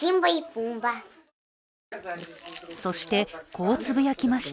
そして、こうつぶやきました。